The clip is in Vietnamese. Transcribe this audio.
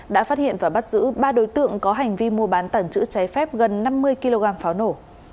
đã phát hiện và bắt giữ ba đối tượng có hành vi mua bán tẩn chữa cháy phép gần năm mươi kg pháo nổ